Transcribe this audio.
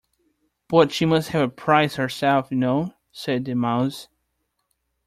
‘But she must have a prize herself, you know,’ said the Mouse.